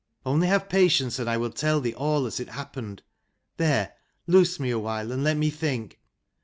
Only have patience, and I will tell thee all as it happened. There, loose me awhile, and let me think.